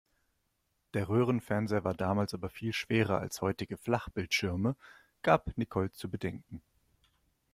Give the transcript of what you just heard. Der Röhrenfernseher war damals aber viel schwerer als heutige Flachbildschirme, gab Nicole zu bedenken.